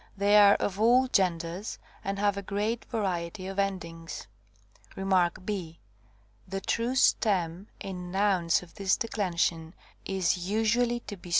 They are of all genders and have a great variety of endings. Rem. ὃ. The true stem, in nouns of this declension, is usually to be